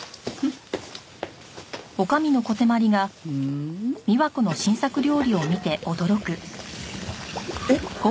ん？えっ？